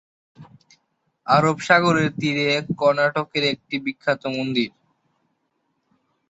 আরব সাগরের তীরে কর্ণাটকের একটি বিখ্যাত মন্দির।